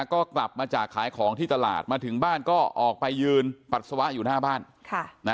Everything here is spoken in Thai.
ก็กลับมาจากขายของที่ตลาดมาถึงบ้านก็ออกไปยืนปัสสาวะอยู่หน้าบ้าน